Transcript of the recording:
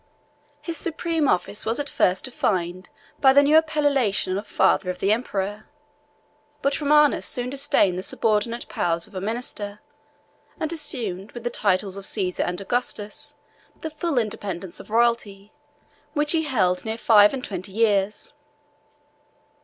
His supreme office was at first defined by the new appellation of father of the emperor; but Romanus soon disdained the subordinate powers of a minister, and assumed with the titles of Caesar and Augustus, the full independence of royalty, which he held near five and twenty years.